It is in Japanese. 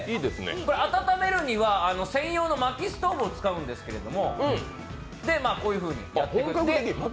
温めるには専用のまきストーブを使うんですけど、それでこういうふうに。